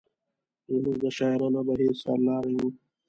زموږ د شاعرانه بهیر سر لاری و.